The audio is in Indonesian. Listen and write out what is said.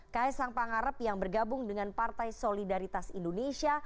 ks sang pangarap yang bergabung dengan partai solidaritas indonesia